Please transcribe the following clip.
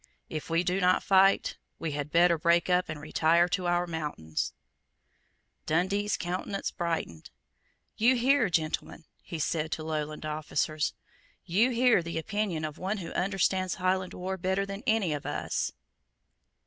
If we do not fight, we had better break up and retire to our mountains." Dundee's countenance brightened. "You hear, gentlemen," he said to his Lowland officers; "you hear the opinion of one who understands Highland war better than any of us."